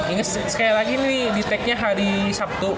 ini sekali lagi nih di tag nya hari sabtu